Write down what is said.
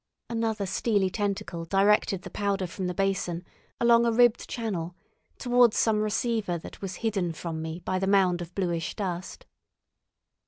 Another steely tentacle directed the powder from the basin along a ribbed channel towards some receiver that was hidden from me by the mound of bluish dust.